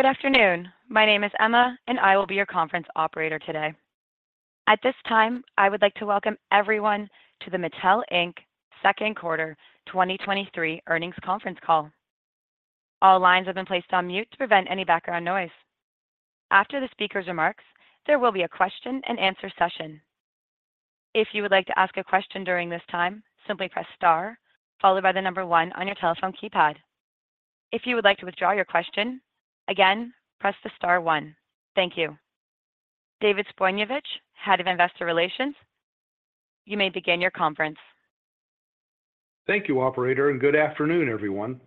Good afternoon. My name is Emma, and I will be your Conference operator today. At this time, I would like to welcome everyone to the Mattel, Inc. Second Quarter 2023 Earnings Conference Call. All lines have been placed on mute to prevent any background noise. After the speaker's remarks, there will be a question and answer session. If you would like to ask a question during this time, simply press Star followed by the number 1 on your telephone keypad. If you would like to withdraw your question, again, press the Star one. Thank you. David Zbojniewicz, Head of Investor Relations, you may begin your Conference. Thank you, operator. Good afternoon, everyone.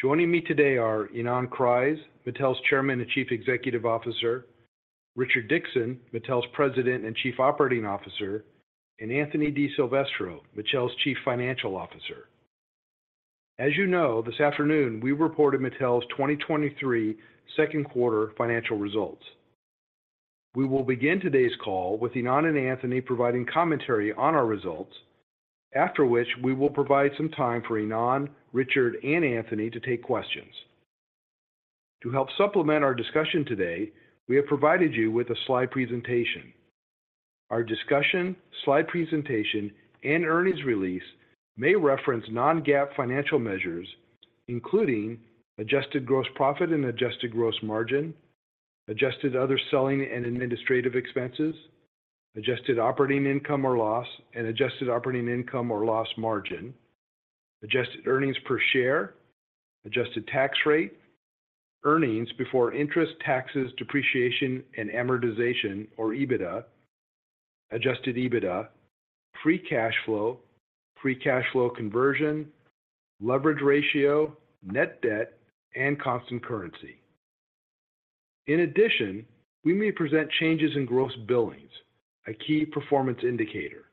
Joining me today are Ynon Kreiz, Mattel's Chairman and Chief Executive Officer, Richard Dickson, Mattel's President and Chief Operating Officer, and Anthony DiSilvestro, Mattel's Chief Financial Officer. As you know, this afternoon we reported Mattel's 2023 second quarter financial results. We will begin today's call with Ynon and Anthony providing commentary on our results, after which we will provide some time for Ynon, Richard, and Anthony to take questions. To help supplement our discussion today, we have provided you with a slide presentation. Our discussion, slide presentation, and earnings release may reference non-GAAP financial measures, including Adjusted Gross Profit and Adjusted Gross Margin, Adjusted Other Selling and Administrative Expenses, Adjusted Operating Income or Loss and Adjusted Operating Income or Loss Margin, Adjusted Earnings Per Share, Adjusted Tax Rate, earnings before interest, taxes, depreciation, and amortization or EBITDA, adjusted EBITDA, free cash flow, free cash flow conversion, leverage ratio, net debt, and constant currency. We may present changes in Gross Billings, a key performance indicator.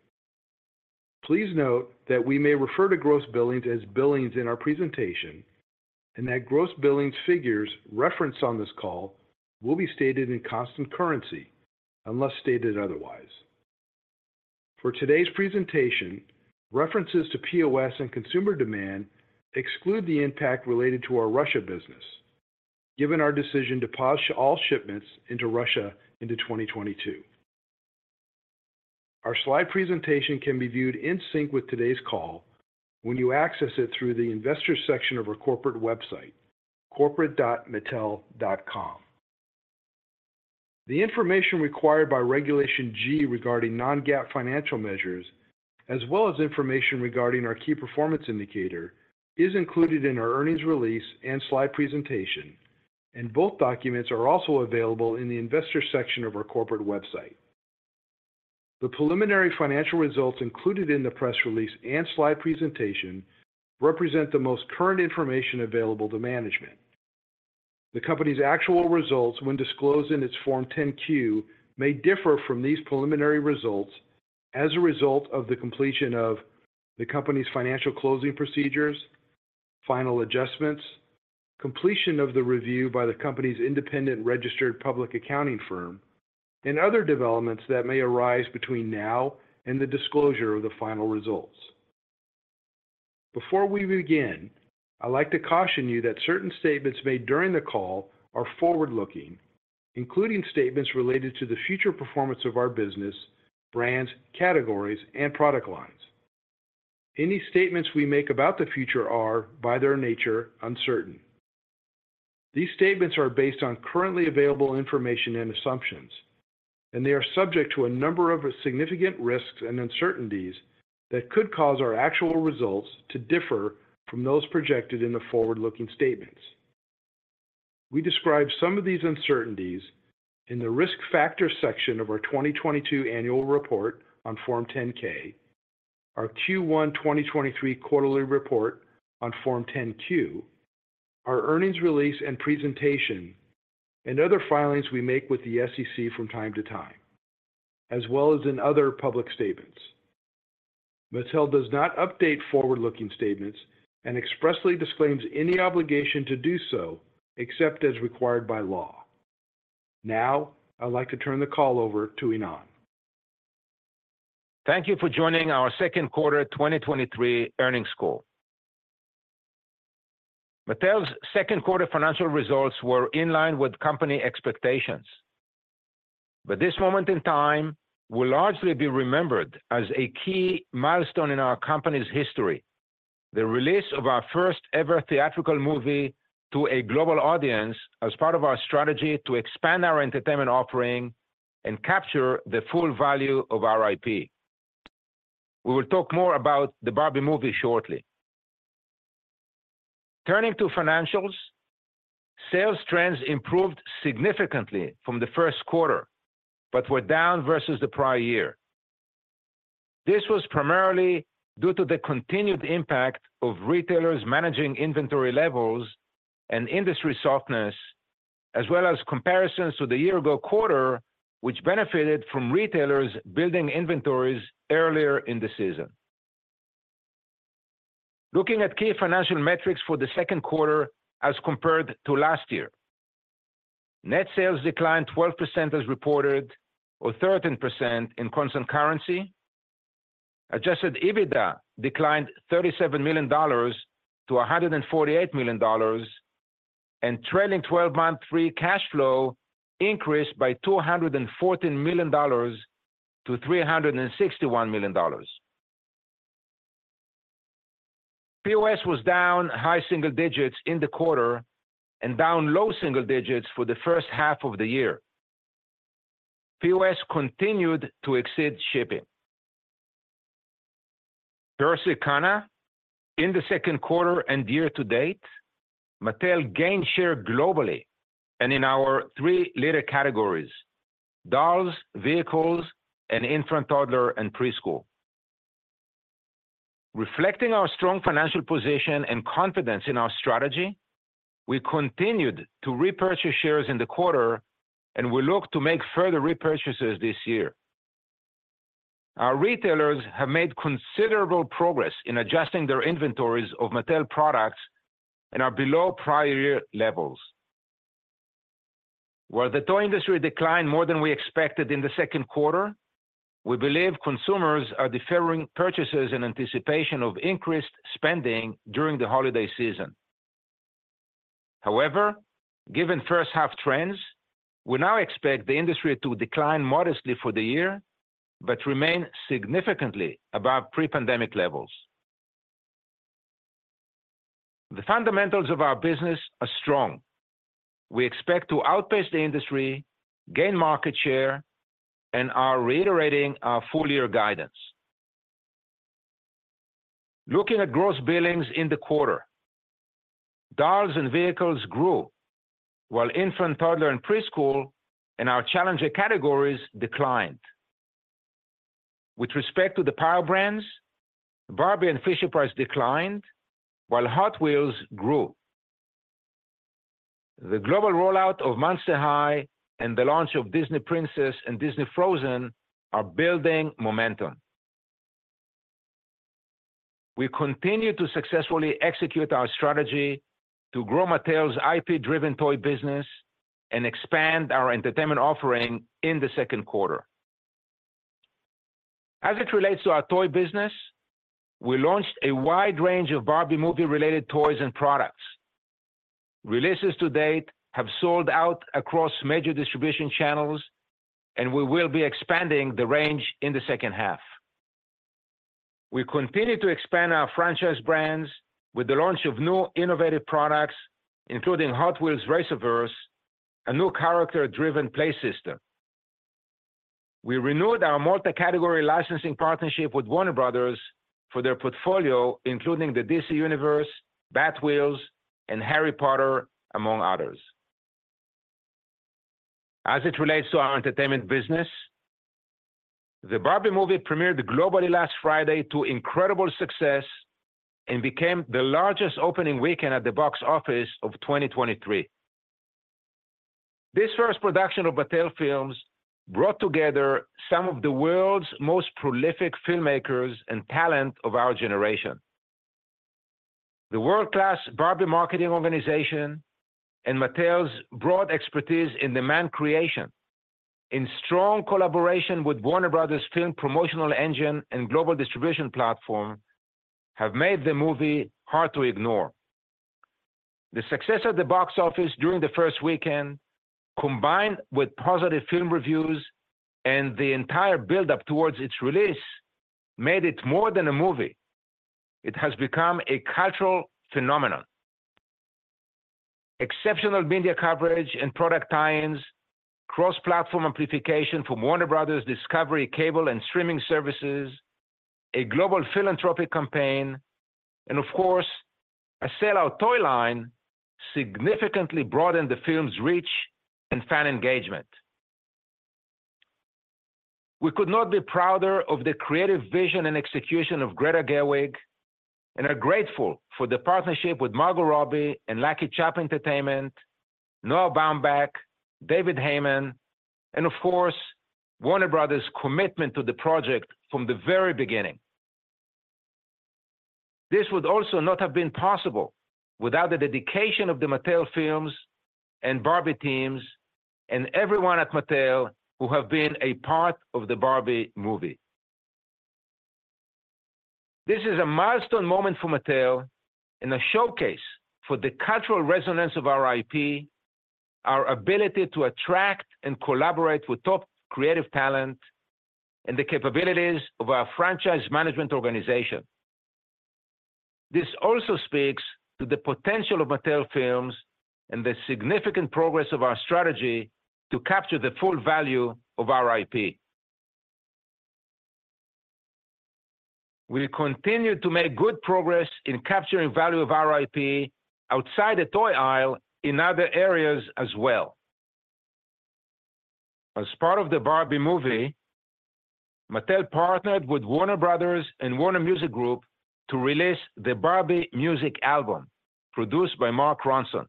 Please note that we may refer to Gross Billings as billings in our presentation, and that Gross Billings figures referenced on this call will be stated in constant currency, unless stated otherwise. For today's presentation, references to POS and consumer demand exclude the impact related to our Russia business, given our decision to pause all shipments into Russia into 2022. Our slide presentation can be viewed in sync with today's call when you access it through the investor section of our corporate website, corporate.mattel.com. The information required by Regulation G regarding non-GAAP financial measures, as well as information regarding our key performance indicator, is included in our earnings release and slide presentation. Both documents are also available in the investor section of our corporate website. The preliminary financial results included in the press release and slide presentation represent the most current information available to management. The company's actual results, when disclosed in its Form 10-Q, may differ from these preliminary results as a result of the completion of the company's financial closing procedures, final adjustments, completion of the review by the company's independent registered public accounting firm, and other developments that may arise between now and the disclosure of the final results. Before we begin, I'd like to caution you that certain statements made during the call are forward-looking, including statements related to the future performance of our business, brands, categories, and product lines. Any statements we make about the future are, by their nature, uncertain. These statements are based on currently available information and assumptions, and they are subject to a number of significant risks and uncertainties that could cause our actual results to differ from those projected in the forward-looking statements. We describe some of these uncertainties in the Risk Factors section of our 2022 Annual Report on Form 10-K, our Q1 2023 Quarterly Report on Form 10-Q, our earnings release and presentation, and other filings we make with the SEC from time to time, as well as in other public statements. Mattel does not update forward-looking statements and expressly disclaims any obligation to do so, except as required by law. Now, I'd like to turn the call over to Ynon. Thank you for joining our second quarter 2023 earnings call. Mattel's second quarter financial results were in line with company expectations, but this moment in time will largely be remembered as a key milestone in our company's history. The release of our first ever theatrical movie to a global audience as part of our strategy to expand our entertainment offering and capture the full value of our IP. We will talk more about the Barbie movie shortly. Turning to financials, sales trends improved significantly from the first quarter, but were down versus the prior year. This was primarily due to the continued impact of retailers managing inventory levels and industry softness, as well as comparisons to the year ago quarter, which benefited from retailers building inventories earlier in the season. Looking at key financial metrics for the second quarter as compared to last year, net sales declined 12% as reported, or 13% in constant currency. Adjusted EBITDA declined $37 million to $148 million, and trailing twelve-month free cash flow increased by $214 million to $361 million. POS was down high single digits in the quarter and down low single digits for the first half of the year. POS continued to exceed shipping. Versus Circana, in the second quarter and year to date, Mattel gained share globally and in our 3 leader categories: dolls, vehicles, and infant, toddler, and preschool. Reflecting our strong financial position and confidence in our strategy, we continued to repurchase shares in the quarter, and we look to make further repurchases this year. Our retailers have made considerable progress in adjusting their inventories of Mattel products and are below prior year levels. While the toy industry declined more than we expected in the second quarter, we believe consumers are deferring purchases in anticipation of increased spending during the holiday season. Given first half trends, we now expect the industry to decline modestly for the year, but remain significantly above pre-pandemic levels. The fundamentals of our business are strong. We expect to outpace the industry, gain market share, and are reiterating our full year guidance. Looking at gross billings in the quarter, dolls and vehicles grew, while infant, toddler, and preschool, and our challenger categories declined. With respect to the Power Brands, Barbie and Fisher-Price declined, while Hot Wheels grew. The global rollout of Monster High and the launch of Disney Princess and Disney Frozen are building momentum. We continued to successfully execute our strategy to grow Mattel's IP-driven toy business and expand our entertainment offering in the second quarter. As it relates to our toy business, we launched a wide range of Barbie movie-related toys and products. Releases to date have sold out across major distribution channels, and we will be expanding the range in the second half. We continued to expand our franchise brands with the launch of new innovative products, including Hot Wheels RacerVerse, a new character-driven play system. We renewed our multi-category licensing partnership with Warner Bros. for their portfolio, including the DC Universe, Batwheels, and Harry Potter, among others. As it relates to our entertainment business, the Barbie movie premiered globally last Friday to incredible success and became the largest opening weekend at the box office of 2023. This first production of Mattel Films brought together some of the world's most prolific filmmakers and talent of our generation. The world-class Barbie marketing organization and Mattel's broad expertise in demand creation, in strong collaboration with Warner Bros. film promotional engine and global distribution platform, have made the movie hard to ignore. The success at the box office during the first weekend, combined with positive film reviews and the entire build-up towards its release, made it more than a movie. It has become a cultural phenomenon. Exceptional media coverage and product tie-ins, cross-platform amplification from Warner Bros. Discovery Cable and streaming services, a global philanthropic campaign, and of course, a sellout toy line, significantly broadened the film's reach and fan engagement. We could not be prouder of the creative vision and execution of Greta Gerwig and are grateful for the partnership with Margot Robbie and LuckyChap Entertainment, Noah Baumbach, David Heyman, and of course, Warner Bros. commitment to the project from the very beginning. This would also not have been possible without the dedication of the Mattel Films and Barbie teams and everyone at Mattel who have been a part of the Barbie movie. This is a milestone moment for Mattel and a showcase for the cultural resonance of our IP, our ability to attract and collaborate with top creative talent, and the capabilities of our franchise management organization. This also speaks to the potential of Mattel Films and the significant progress of our strategy to capture the full value of our IP. We continue to make good progress in capturing value of our IP outside the toy aisle in other areas as well. As part of the Barbie movie, Mattel partnered with Warner Bros. and Warner Music Group to release the Barbie music album, produced by Mark Ronson.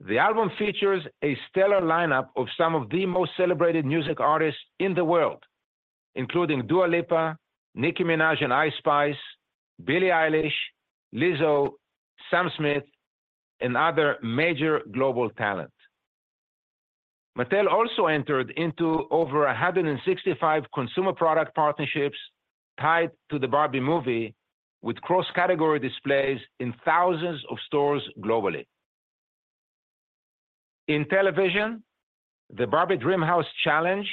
The album features a stellar lineup of some of the most celebrated music artists in the world, including Dua Lipa, Nicki Minaj, Ice Spice, Billie Eilish, Lizzo, Sam Smith, and other major global talent. Mattel also entered into over 165 consumer product partnerships tied to the Barbie movie, with cross-category displays in thousands of stores globally. In television, the Barbie Dreamhouse Challenge,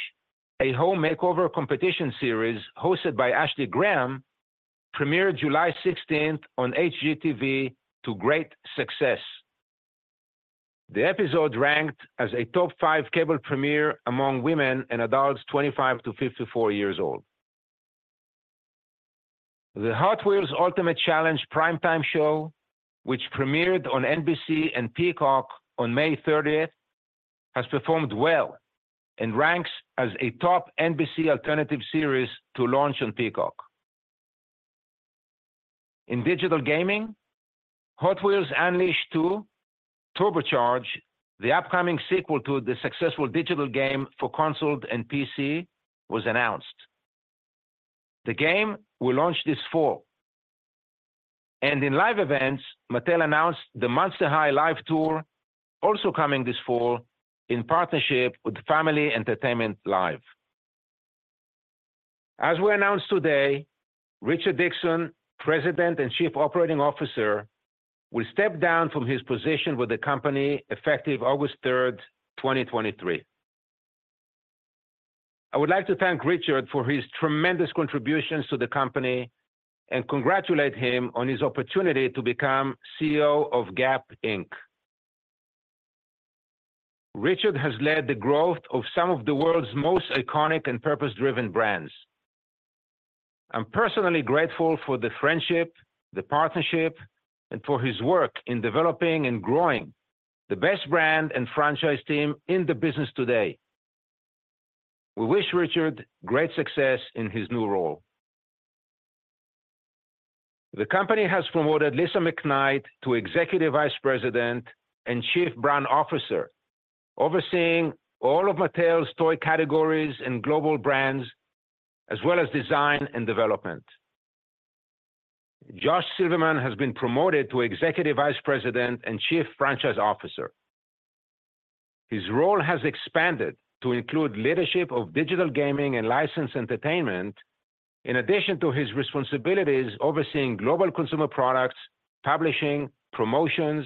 a home makeover competition series hosted by Ashley Graham, premiered July 16th on HGTV to great success. The episode ranked as a top five cable premiere among women and adults 25 to 54 years old. The Hot Wheels Ultimate Challenge primetime show, which premiered on NBC and Peacock on May 30th, has performed well and ranks as a top NBC alternative series to launch on Peacock. In digital gaming, Hot Wheels Unleashed 2: Turbocharged, the upcoming sequel to the successful digital game for consoles and PC, was announced. The game will launch this fall. In live events, Mattel announced the Monster High Live Tour, also coming this fall in partnership with Family Entertainment Live. As we announced today, Richard Dickson, President and Chief Operating Officer, will step down from his position with the company effective August 3rd, 2023. I would like to thank Richard for his tremendous contributions to the company and congratulate him on his opportunity to become CEO of Gap Inc. Richard has led the growth of some of the world's most iconic and purpose-driven brands. I'm personally grateful for the friendship, the partnership, and for his work in developing and growing the best brand and franchise team in the business today. We wish Richard great success in his new role. The company has promoted Lisa McKnight to Executive Vice President and Chief Brand Officer, overseeing all of Mattel's toy categories and global brands, as well as design and development. Josh Silverman has been promoted to Executive Vice President and Chief Franchise Officer. His role has expanded to include leadership of digital gaming and licensed entertainment, in addition to his responsibilities overseeing global consumer products, publishing, promotions,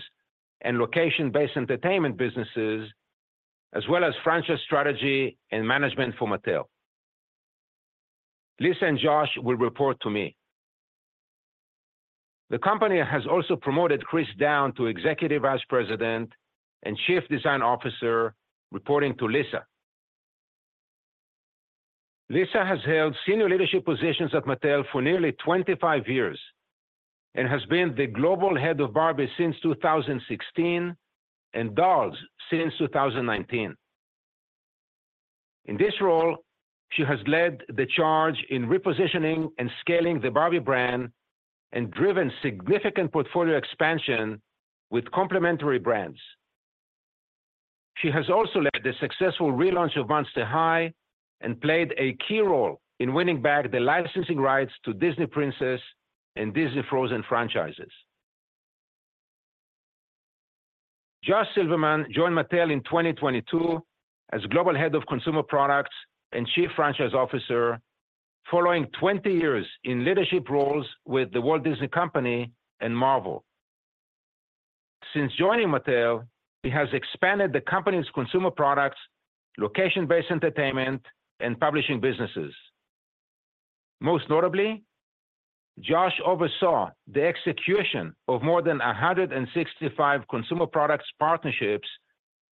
and location-based entertainment businesses, as well as franchise strategy and management for Mattel. Lisa and Josh will report to me. The company has also promoted Chris Down to Executive Vice President and Chief Design Officer, reporting to Lisa. Lisa has held senior leadership positions at Mattel for nearly 25 years and has been the global head of Barbie since 2016 and dolls since 2019. In this role, she has led the charge in repositioning and scaling the Barbie brand and driven significant portfolio expansion with complementary brands. She has also led the successful relaunch of Monster High and played a key role in winning back the licensing rights to Disney Princess and Disney Frozen franchises. Josh Silverman joined Mattel in 2022 as Global Head of Consumer Products and Chief Franchise Officer, following 20 years in leadership roles with The Walt Disney Company and Marvel. Since joining Mattel, he has expanded the company's consumer products, location-based entertainment, and publishing businesses. Most notably, Josh oversaw the execution of more than 165 consumer products partnerships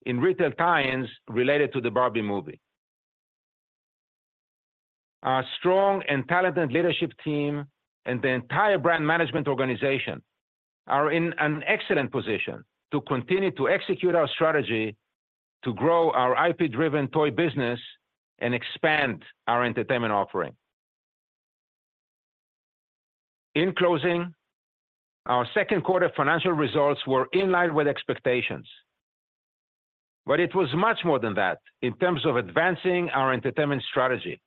in retail tie-ins related to the Barbie movie. Our strong and talented leadership team and the entire brand management organization are in an excellent position to continue to execute our strategy, to grow our IP-driven toy business, and expand our entertainment offering. In closing, our second quarter financial results were in line with expectations, but it was much more than that in terms of advancing our entertainment strategy.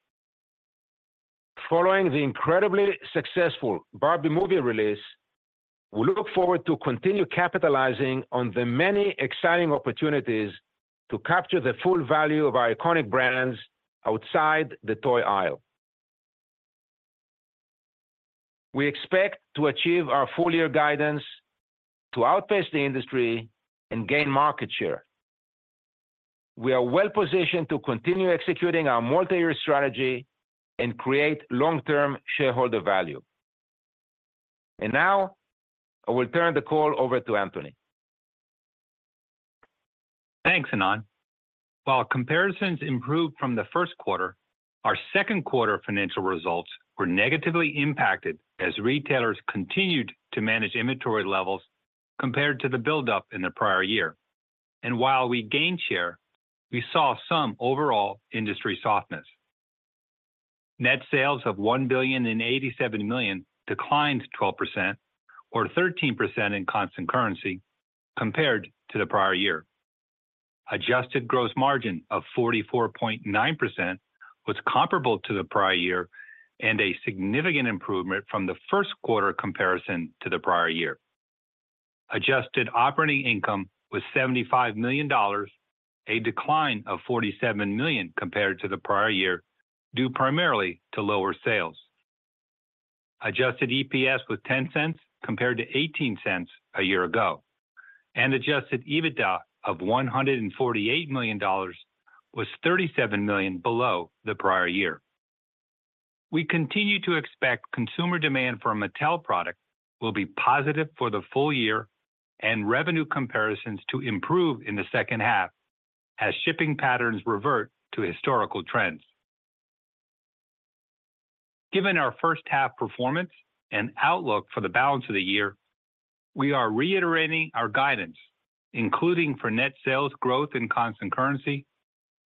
Following the incredibly successful Barbie movie release, we look forward to continue capitalizing on the many exciting opportunities to capture the full value of our iconic brands outside the toy aisle. We expect to achieve our full-year guidance to outpace the industry and gain market share. We are well positioned to continue executing our multi-year strategy and create long-term shareholder value. Now, I will turn the call over to Anthony. Thanks, Ynon. While comparisons improved from the first quarter, our second quarter financial results were negatively impacted as retailers continued to manage inventory levels compared to the buildup in the prior year. While we gained share, we saw some overall industry softness. Net sales of $1,087 million declined 12% or 13% in constant currency compared to the prior year. Adjusted operating income was $75 million, a decline of $47 million compared to the prior year, due primarily to lower sales. Adjusted EPS was $0.10, compared to $0.18 a year ago, and adjusted EBITDA of $148 million was $37 million below the prior year. We continue to expect consumer demand for Mattel products will be positive for the full year and revenue comparisons to improve in the second half as shipping patterns revert to historical trends. Given our first half performance and outlook for the balance of the year, we are reiterating our guidance, including for net sales growth in constant currency,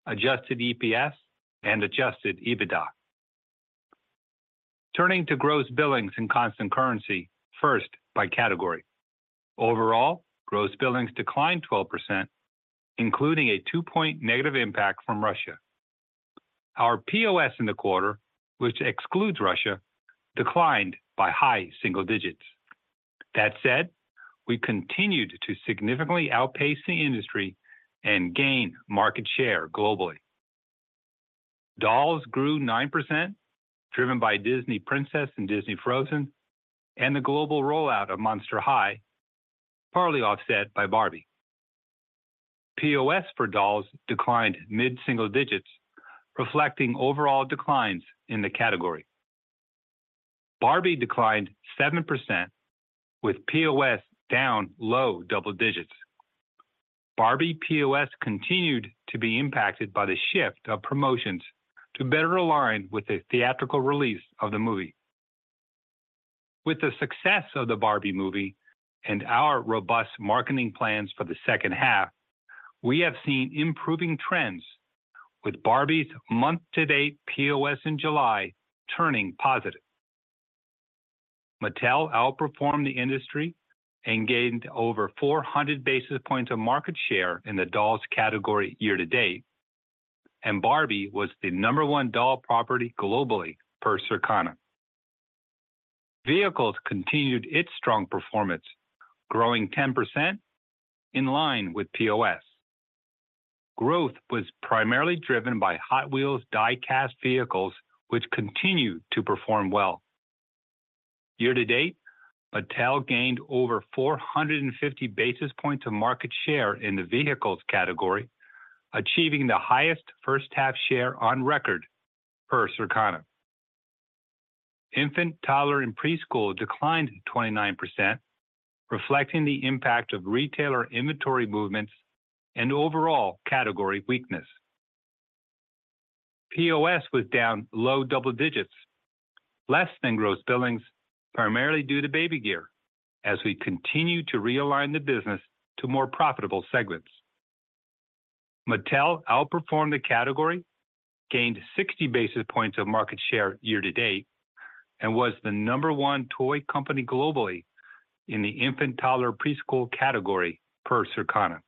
Adjusted EPS, and Adjusted EBITDA. Turning to Gross Billings in constant currency, first by category. Overall, Gross Billings declined 12%, including a 2-point negative impact from Russia. Our POS in the quarter, which excludes Russia, declined by high single digits. That said, we continued to significantly outpace the industry and gain market share globally. Dolls grew 9%, driven by Disney Princess and Disney Frozen, and the global rollout of Monster High, partly offset by Barbie. POS for dolls declined mid-single digits, reflecting overall declines in the category. Barbie declined 7%, with POS down low double digits. Barbie POS continued to be impacted by the shift of promotions to better align with the theatrical release of the movie. With the success of the Barbie movie and our robust marketing plans for the second half, we have seen improving trends, with Barbie's month-to-date POS in July turning positive. Mattel outperformed the industry and gained over 400 basis points of market share in the dolls category year to date, and Barbie was the number one doll property globally per Circana. Vehicles continued its strong performance, growing 10% in line with POS. Growth was primarily driven by Hot Wheels die-cast vehicles, which continued to perform well. Year to date, Mattel gained over 450 basis points of market share in the vehicles category, achieving the highest first-half share on record per Circana. Infant, toddler, and preschool declined 29%, reflecting the impact of retailer inventory movements and overall category weakness. POS was down low double digits, less than gross billings, primarily due to baby gear, as we continue to realign the business to more profitable segments. Mattel outperformed the category, gained 60 basis points of market share year to date, and was the number one toy company globally in the infant, toddler, preschool category per Circana.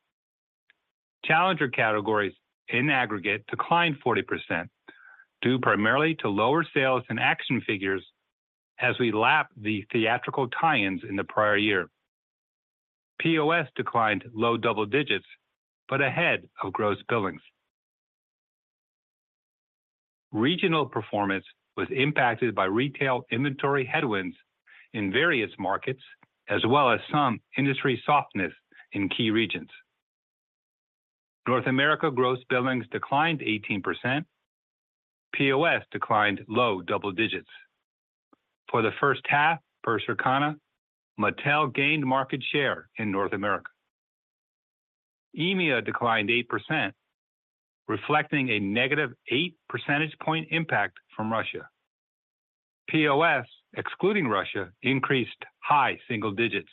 Challenger categories in aggregate declined 40%, due primarily to lower sales and action figures as we lapped the theatrical tie-ins in the prior year. POS declined low double digits, but ahead of gross billings. Regional performance was impacted by retail inventory headwinds in various markets, as well as some industry softness in key regions. North America gross billings declined 18%. POS declined low double digits. For the first half, per Circana, Mattel gained market share in North America. EMEA declined 8%, reflecting a negative 8 percentage point impact from Russia. POS, excluding Russia, increased high single digits.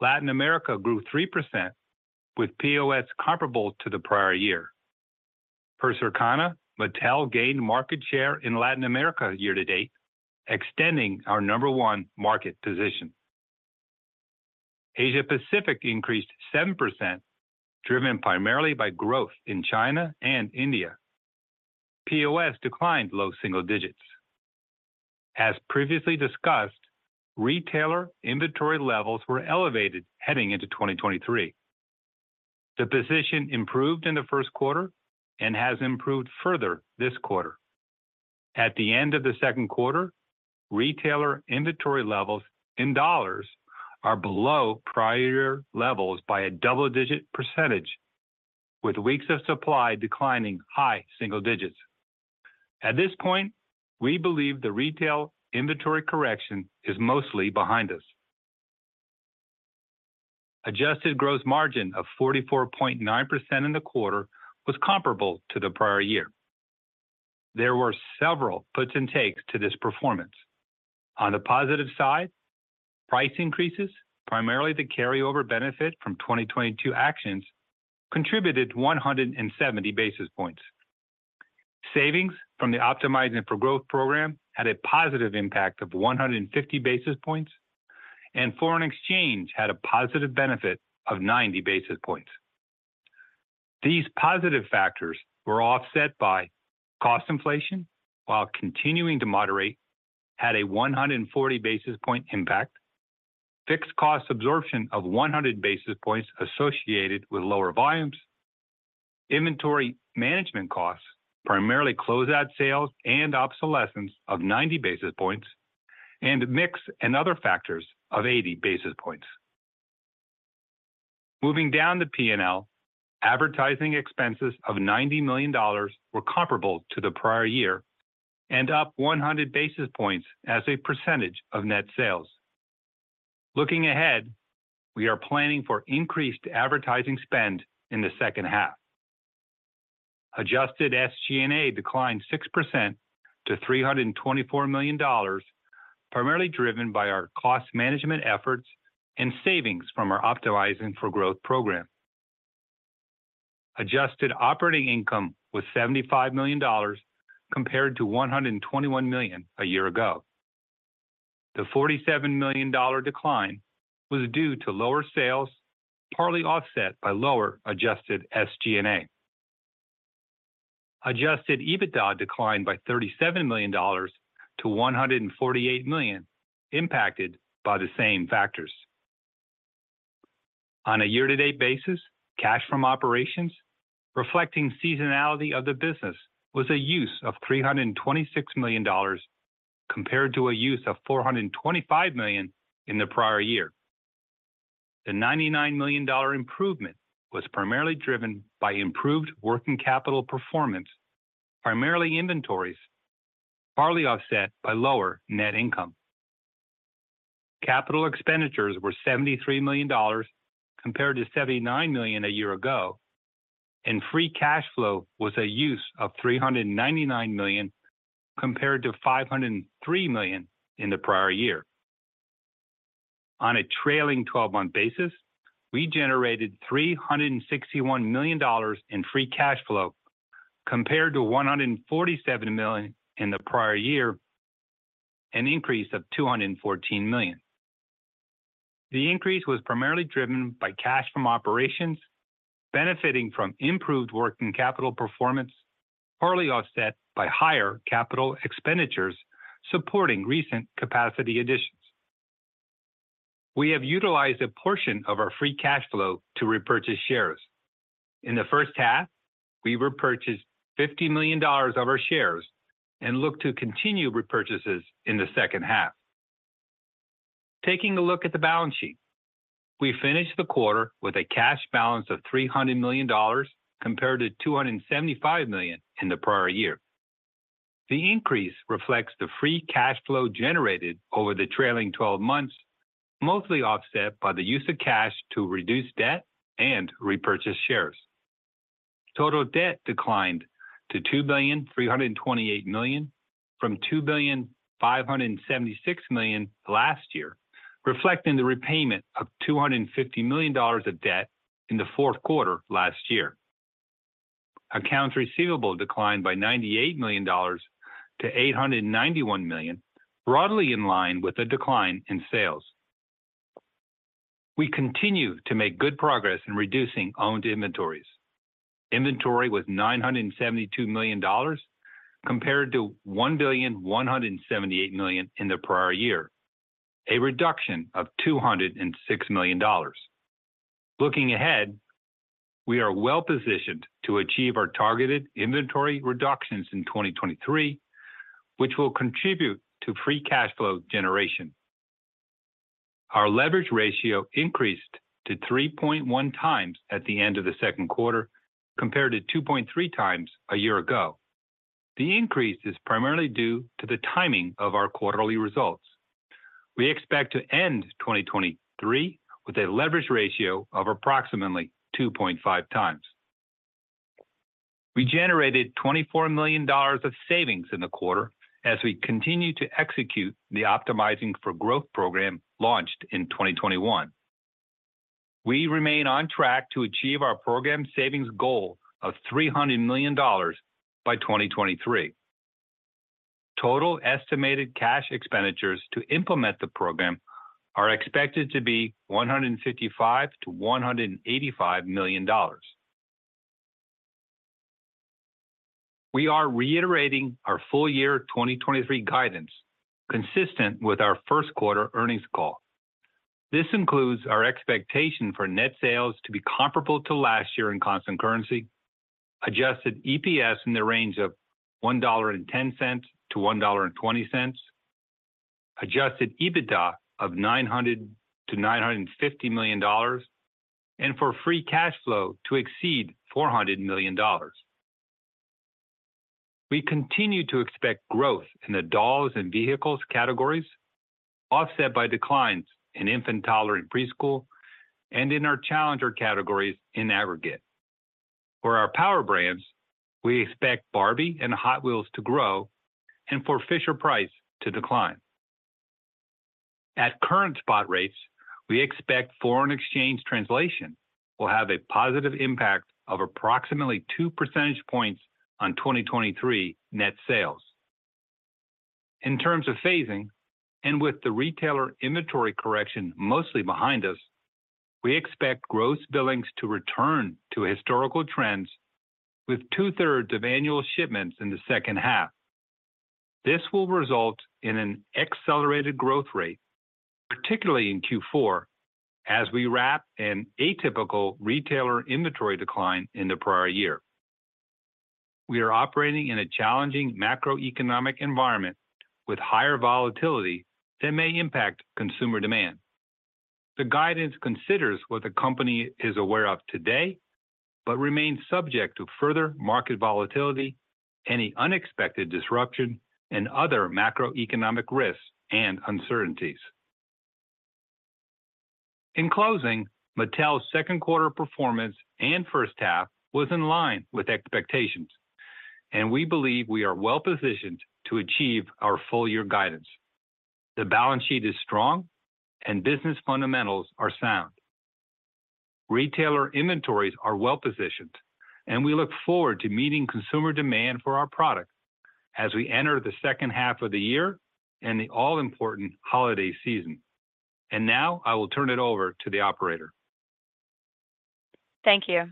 Latin America grew 3%, with POS comparable to the prior year. Per Circana, Mattel gained market share in Latin America year to date, extending our number one market position. Asia Pacific increased 7%, driven primarily by growth in China and India. POS declined low single digits. As previously discussed, retailer inventory levels were elevated heading into 2023. The position improved in the first quarter and has improved further this quarter. At the end of the second quarter, retailer inventory levels in dollars are below prior levels by a double-digit percentage, with weeks of supply declining high single digits. At this point, we believe the retail inventory correction is mostly behind us. Adjusted gross margin of 44.9% in the quarter was comparable to the prior year. There were several puts and takes to this performance. On the positive side, price increases, primarily the carryover benefit from 2022 actions, contributed 170 basis points. Savings from the Optimizing for Growth program had a positive impact of 150 basis points, and foreign exchange had a positive benefit of 90 basis points.... These positive factors were offset by cost inflation, while continuing to moderate, had a 140 basis point impact, fixed cost absorption of 100 basis points associated with lower volumes, inventory management costs, primarily closeout sales and obsolescence of 90 basis points, and mix and other factors of 80 basis points. Moving down the P&L, advertising expenses of $90 million were comparable to the prior year and up 100 basis points as a percentage of net sales. Looking ahead, we are planning for increased advertising spend in the second half. Adjusted SG&A declined 6% to $324 million, primarily driven by our cost management efforts and savings from our Optimizing for Growth program. Adjusted operating income was $75 million, compared to $121 million a year ago. The $47 million decline was due to lower sales, partly offset by lower adjusted SG&A. Adjusted EBITDA declined by $37 million to $148 million, impacted by the same factors. On a year-to-date basis, cash from operations, reflecting seasonality of the business, was a use of $326 million, compared to a use of $425 million in the prior year. The $99 million improvement was primarily driven by improved working capital performance, primarily inventories, partly offset by lower net income. Capital expenditures were $73 million, compared to $79 million a year ago, and free cash flow was a use of $399 million, compared to $503 million in the prior year. On a trailing twelve-month basis, we generated $361 million in free cash flow, compared to $147 million in the prior year, an increase of $214 million. The increase was primarily driven by cash from operations, benefiting from improved working capital performance, partly offset by higher capital expenditures supporting recent capacity additions. We have utilized a portion of our free cash flow to repurchase shares. In the first half, we repurchased $50 million of our shares and look to continue repurchases in the second half. Taking a look at the balance sheet, we finished the quarter with a cash balance of $300 million, compared to $275 million in the prior year. The increase reflects the free cash flow generated over the trailing twelve months, mostly offset by the use of cash to reduce debt and repurchase shares. Total debt declined to $2.328 billion, from $2.576 billion last year, reflecting the repayment of $250 million of debt in the fourth quarter last year. Accounts receivable declined by $98 million to $891 million, broadly in line with the decline in sales. We continue to make good progress in reducing owned inventories. Inventory was $972 million, compared to $1.178 billion in the prior year, a reduction of $206 million. Looking ahead, we are well positioned to achieve our targeted inventory reductions in 2023, which will contribute to free cash flow generation. Our leverage ratio increased to 3.1 times at the end of the second quarter, compared to 2.3 times a year ago. The increase is primarily due to the timing of our quarterly results. We expect to end 2023 with a leverage ratio of approximately 2.5 times. We generated $24 million of savings in the quarter as we continue to execute the Optimizing for Growth program launched in 2021. We remain on track to achieve our program savings goal of $300 million by 2023. Total estimated cash expenditures to implement the program are expected to be $155 million-$185 million. We are reiterating our full year 2023 guidance, consistent with our first quarter earnings call. This includes our expectation for net sales to be comparable to last year in constant currency, adjusted EPS in the range of $1.10 to $1.20, adjusted EBITDA of $900 million-$950 million, and for free cash flow to exceed $400 million. We continue to expect growth in the dolls and vehicles categories, offset by declines in infant, toddler, and preschool, and in our challenger categories in aggregate. For our Power Brands, we expect Barbie and Hot Wheels to grow and for Fisher-Price to decline. At current spot rates, we expect foreign exchange translation will have a positive impact of approximately 2 percentage points on 2023 net sales. In terms of phasing and with the retailer inventory correction mostly behind us, we expect Gross Billings to return to historical trends with two-thirds of annual shipments in the second half. This will result in an accelerated growth rate, particularly in Q4, as we wrap an atypical retailer inventory decline in the prior year. We are operating in a challenging macroeconomic environment with higher volatility that may impact consumer demand. The guidance considers what the company is aware of today, but remains subject to further market volatility, any unexpected disruption, and other macroeconomic risks and uncertainties. In closing, Mattel's second quarter performance and first half was in line with expectations, and we believe we are well positioned to achieve our full year guidance. The balance sheet is strong and business fundamentals are sound. Retailer inventories are well positioned, and we look forward to meeting consumer demand for our products as we enter the second half of the year and the all-important holiday season. Now I will turn it over to the operator. Thank you.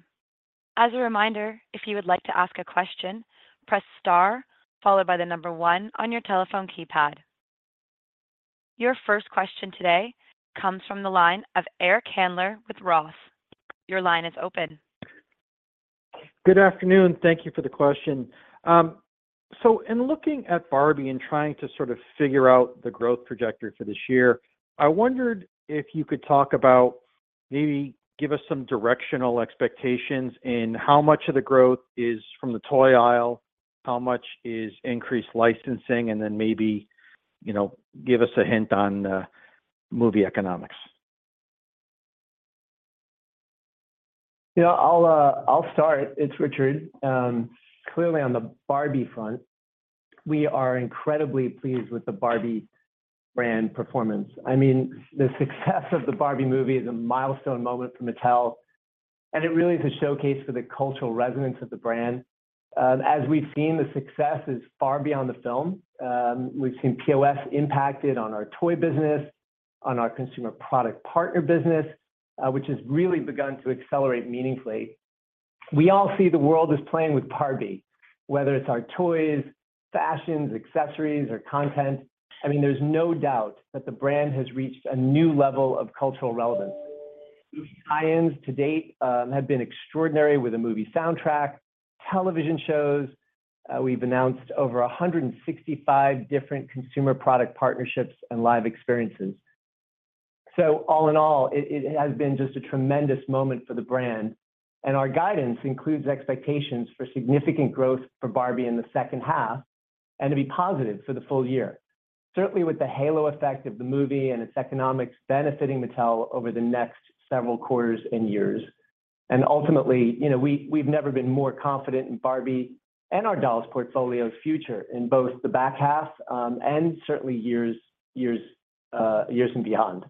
As a reminder, if you would like to ask a question, press star, followed by one on your telephone keypad. Your first question today comes from the line of Eric Handler with ROTH. Your line is open. Good afternoon. Thank you for the question. In looking at Barbie and trying to sort of figure out the growth trajectory for this year, I wondered if you could talk about, maybe give us some directional expectations in how much of the growth is from the toy aisle, how much is increased licensing, and then maybe, you know, give us a hint on movie economics? Yeah, I'll start. It's Richard. Clearly, on the Barbie front, we are incredibly pleased with the Barbie brand performance. I mean, the success of the Barbie movie is a milestone moment for Mattel, and it really is a showcase for the cultural resonance of the brand. As we've seen, the success is far beyond the film. We've seen POS impacted on our toy business, on our consumer product partner business, which has really begun to accelerate meaningfully. We all see the world as playing with Barbie, whether it's our toys, fashions, accessories, or content. I mean, there's no doubt that the brand has reached a new level of cultural relevance. Movie tie-ins to date have been extraordinary with a movie soundtrack, television shows. We've announced over 165 different consumer product partnerships and live experiences. All in all, it has been just a tremendous moment for the brand, and our guidance includes expectations for significant growth for Barbie in the second half and to be positive for the full year. Certainly, with the halo effect of the movie and its economics benefiting Mattel over the next several quarters and years. Ultimately, you know, we've never been more confident in Barbie and our dolls portfolio's future in both the back half, and certainly years and beyond.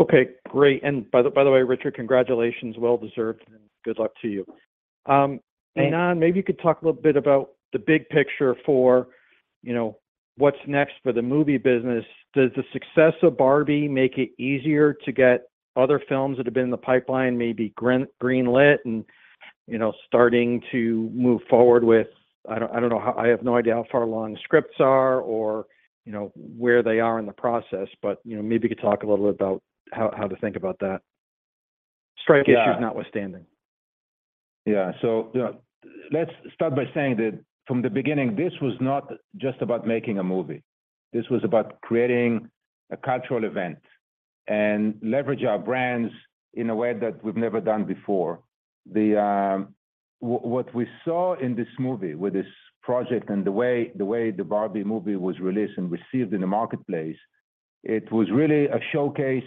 Okay, great. By the way, Richard, congratulations, well deserved, and good luck to you. Ynon, maybe you could talk a little bit about the big picture for, you know, what's next for the movie business. Does the success of Barbie make it easier to get other films that have been in the pipeline, maybe greenlit and, you know, starting to move forward with? I don't, I don't know how... I have no idea how far along the scripts are or, you know, where they are in the process, but, you know, maybe you could talk a little bit about how to think about that. Strike issues notwithstanding. You know, let's start by saying that from the beginning, this was not just about making a movie, this was about creating a cultural event and leverage our brands in a way that we've never done before. What we saw in this movie, with this project and the way the Barbie movie was released and received in the marketplace, it was really a showcase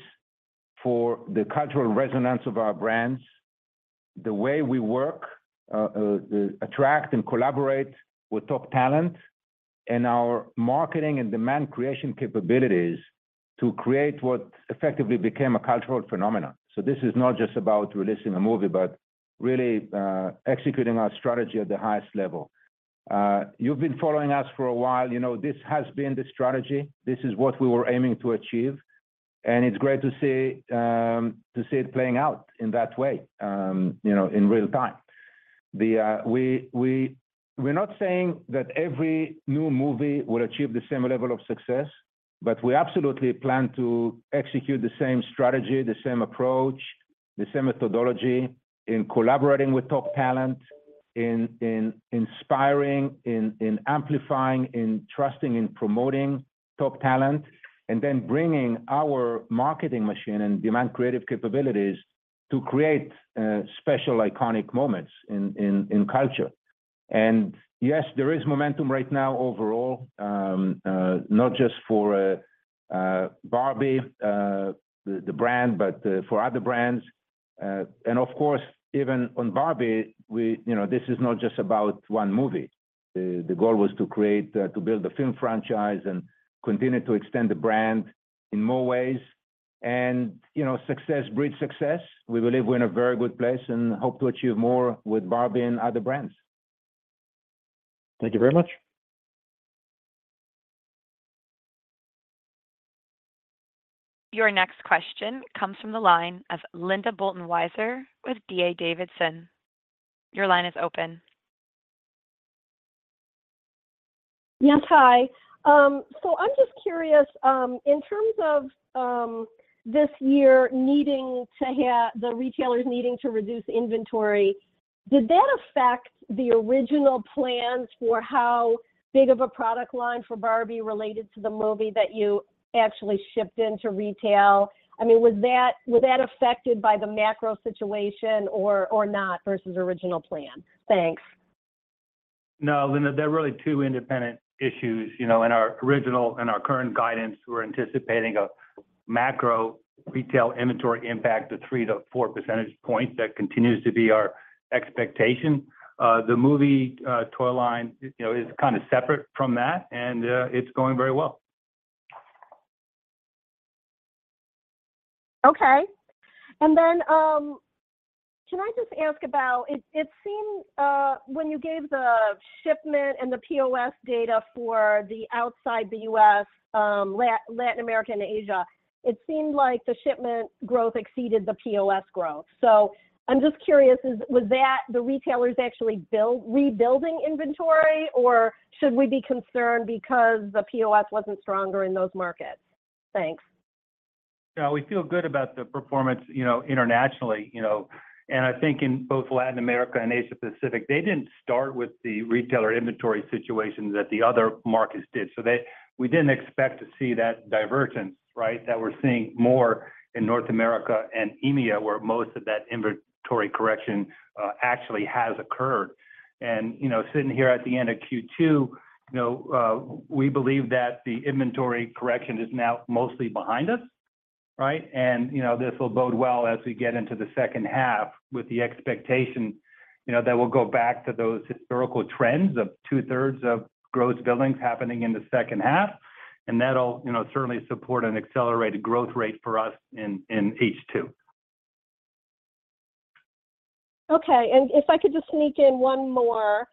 for the cultural resonance of our brands, the way we work, attract and collaborate with top talent, and our marketing and demand creation capabilities to create what effectively became a cultural phenomenon. This is not just about releasing a movie, but really executing our strategy at the highest level. You've been following us for a while. You know, this has been the strategy. This is what we were aiming to achieve, and it's great to see, to see it playing out in that way, you know, in real time. We're not saying that every new movie will achieve the same level of success, but we absolutely plan to execute the same strategy, the same approach, the same methodology in collaborating with top talent, in inspiring, in amplifying, in trusting and promoting top talent, and then bringing our marketing machine and demand creative capabilities to create special, iconic moments in culture. Yes, there is momentum right now overall, not just for Barbie, the brand, but for other brands. Of course, even on Barbie, you know, this is not just about one movie. The goal was to create to build a film franchise and continue to extend the brand in more ways. You know, success breeds success. We believe we're in a very good place, and hope to achieve more with Barbie and other brands. Thank you very much. Your next question comes from the line of Linda Bolton Weiser with D.A. Davidson. Your line is open. Yes, hi. I'm just curious, in terms of, this year the retailers needing to reduce inventory, did that affect the original plans for how big of a product line for Barbie related to the movie that you actually shipped into retail? I mean, was that affected by the macro situation or not versus original plan? Thanks. No, Linda, they're really two independent issues. You know, in our original, in our current guidance, we're anticipating a macro retail inventory impact of three to four percentage points. That continues to be our expectation. The movie, toy line, you know, is kind of separate from that, and, it's going very well. Okay. Can I just ask about, it seemed, when you gave the shipment and the POS data for the outside the U.S., Latin America and Asia, it seemed like the shipment growth exceeded the POS growth. I'm just curious, was that the retailers actually rebuilding inventory, or should we be concerned because the POS wasn't stronger in those markets? Thanks. We feel good about the performance, you know, internationally, you know. I think in both Latin America and Asia Pacific, they didn't start with the retailer inventory situation that the other markets did. We didn't expect to see that divergence, right? That we're seeing more in North America and EMEA, where most of that inventory correction, actually has occurred. You know, sitting here at the end of Q2, you know, we believe that the inventory correction is now mostly behind us, right? You know, this will bode well as we get into the second half with the expectation, you know, that we'll go back to those historical trends of two-thirds of growth building happening in the second half, and that'll, you know, certainly support an accelerated growth rate for us in H2. Okay. If I could just sneak in one more.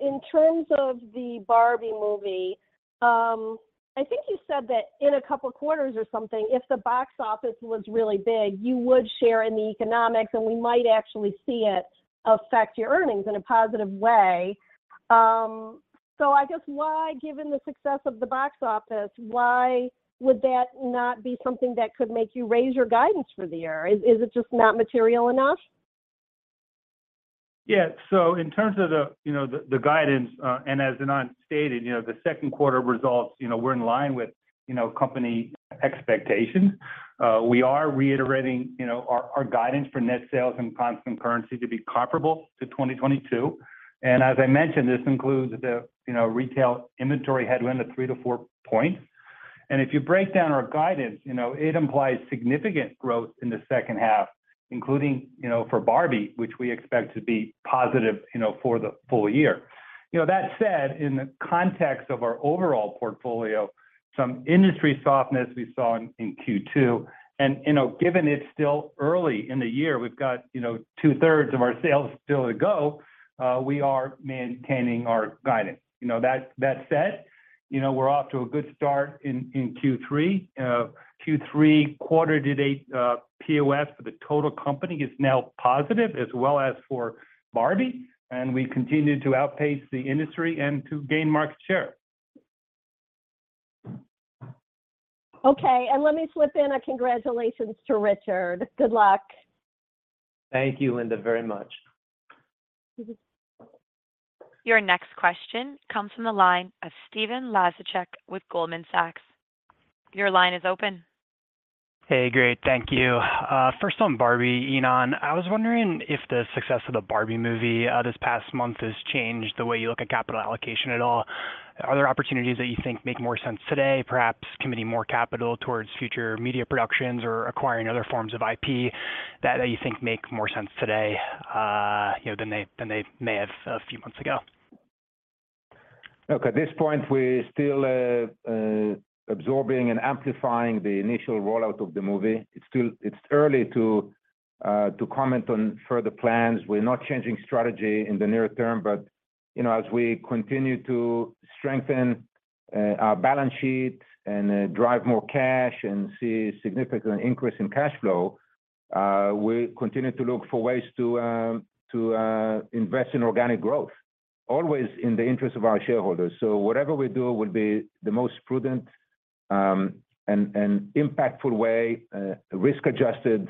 In terms of the Barbie movie, I think you said that in a couple of quarters or something, if the box office was really big, you would share in the economics, and we might actually see it affect your earnings in a positive way. I guess why, given the success of the box office, why would that not be something that could make you raise your guidance for the year? Is it just not material enough? In terms of the, you know, the guidance, and as Ynon stated, you know, the second quarter results, you know, we're in line with, you know, company expectations. We are reiterating, you know, our guidance for net sales and constant currency to be comparable to 2022. As I mentioned, this includes the, you know, retail inventory headwind of 3-4 points. If you break down our guidance, you know, it implies significant growth in the second half, including, you know, for Barbie, which we expect to be positive, you know, for the full year. You know, that said, in the context of our overall portfolio, some industry softness we saw in Q2, and, you know, given it's still early in the year, we've got, you know, 2/3 of our sales still to go, we are maintaining our guidance. You know, that said, you know, we're off to a good start in Q3. Q3 quarter-to-date, POS for the total company is now positive, as well as for Barbie, and we continue to outpace the industry and to gain market share. Let me slip in a congratulations to Richard. Good luck. Thank you, Linda, very much. Your next question comes from the line of Stephen Laszczyk with Goldman Sachs. Your line is open. Hey, great. Thank you. First on Barbie, Ynon, I was wondering if the success of the Barbie movie, this past month has changed the way you look at capital allocation at all? Are there opportunities that you think make more sense today, perhaps committing more capital towards future media productions or acquiring other forms of IP that you think make more sense today, you know, than they, than they may have a few months ago? Look, at this point, we're still absorbing and amplifying the initial rollout of the movie. It's early to comment on further plans. We're not changing strategy in the near term, but, you know, as we continue to strengthen our balance sheet and drive more cash and see significant increase in cash flow, we continue to look for ways to invest in organic growth, always in the interest of our shareholders. Whatever we do will be the most prudent and impactful way, risk-adjusted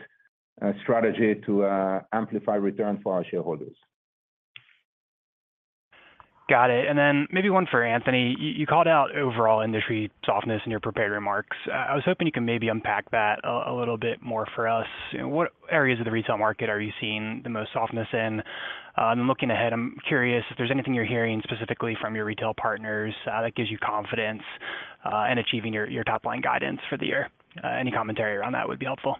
strategy to amplify return for our shareholders. Got it. Maybe one for Anthony. You called out overall industry softness in your prepared remarks. I was hoping you could maybe unpack that a little bit more for us. What areas of the retail market are you seeing the most softness in? Looking ahead, I'm curious if there's anything you're hearing specifically from your retail partners that gives you confidence in achieving your top-line guidance for the year? Any commentary around that would be helpful.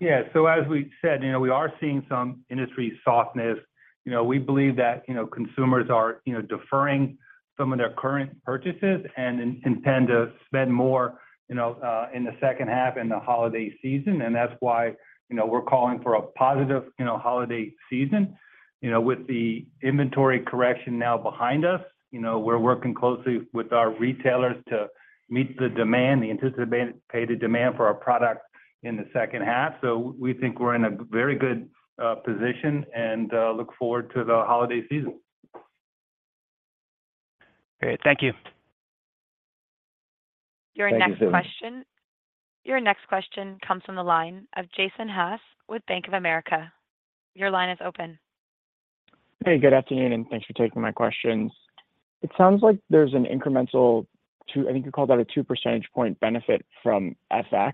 Yeah, as we said, you know, we are seeing some industry softness. You know, we believe that, you know, consumers are, you know, deferring some of their current purchases and intend to spend more, you know, in the second half, in the holiday season. That's why, you know, we're calling for a positive, you know, holiday season. You know, with the inventory correction now behind us, you know, we're working closely with our retailers to meet the demand, the anticipated demand for our product in the second half. We think we're in a very good position, and look forward to the holiday season. Great. Thank you. Thank you, Stephen. Your next question comes from the line of Jason Haas with Bank of America. Your line is open. Hey, good afternoon, thanks for taking my questions. It sounds like there's an incremental I think you called that a 2 percentage point benefit from FX.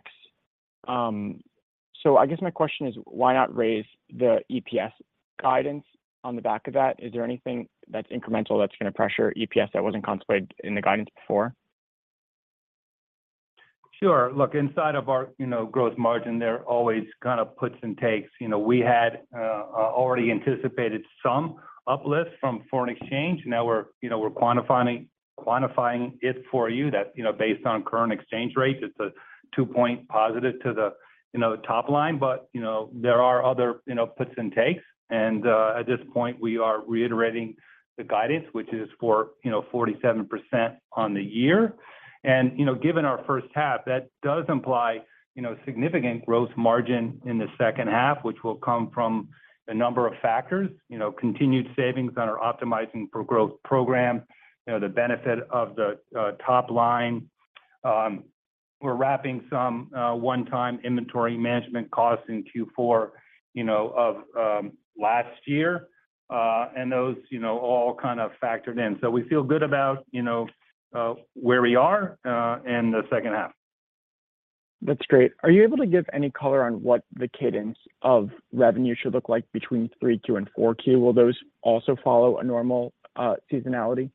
I guess my question is, why not raise the EPS guidance on the back of that? Is there anything that's incremental that's gonna pressure EPS that wasn't contemplated in the guidance before? Sure. Look, inside of our, you know, Gross Margin, there are always kind of puts and takes. You know, we had already anticipated some uplift from foreign exchange. Now we're, you know, we're quantifying it for you that, you know, based on current exchange rates, it's a 2-point positive to the, you know, top line. You know, there are other, you know, puts and takes. At this point, we are reiterating the guidance, which is for, you know, 47% on the year. You know, given our first half, that does imply, you know, significant Gross Margin in the second half, which will come from a number of factors. You know, continued savings on our Optimizing for Growth program, you know, the benefit of the top line. We're wrapping some one-time inventory management costs in Q4, you know, of last year. Those, you know, all kind of factored in. We feel good about, you know, where we are in the second half. That's great. Are you able to give any color on what the cadence of revenue should look like between 3Q and 4Q? Will those also follow a normal seasonality?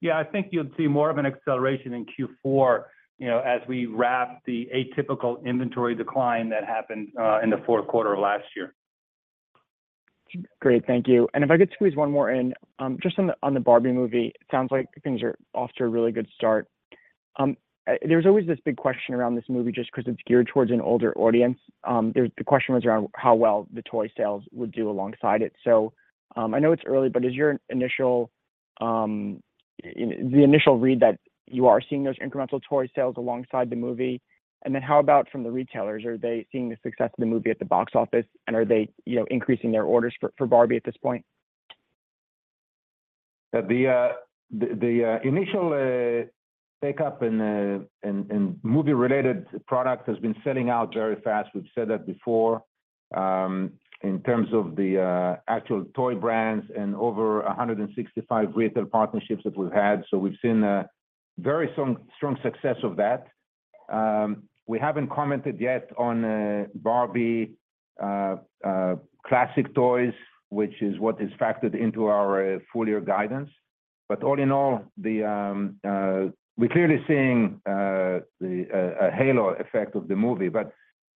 Yeah, I think you'll see more of an acceleration in Q4, you know, as we wrap the atypical inventory decline that happened in the fourth quarter of last year. Great, thank you. If I could squeeze one more in. Just on the Barbie movie, it sounds like things are off to a really good start. There's always this big question around this movie just because it's geared towards an older audience. The question was around how well the toy sales would do alongside it. I know it's early, but is your initial, the initial read that you are seeing those incremental toy sales alongside the movie? How about from the retailers? Are they seeing the success of the movie at the box office, and are they, you know, increasing their orders for Barbie at this point? The initial take-up and movie-related products has been selling out very fast. We've said that before, in terms of the actual toy brands and over 165 retail partnerships that we've had. We've seen a very strong success of that. We haven't commented yet on Barbie classic toys, which is what is factored into our full year guidance. All in all, we're clearly seeing a halo effect of the movie.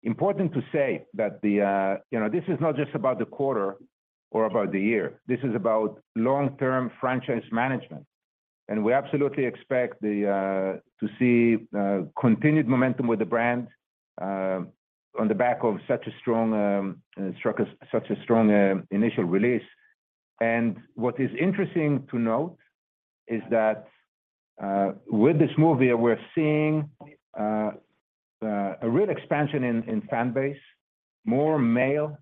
Important to say that you know, this is not just about the quarter or about the year. This is about long-term franchise management. We absolutely expect to see continued momentum with the brand on the back of such a strong initial release. What is interesting to note is that with this movie, we're seeing a real expansion in fan base, more male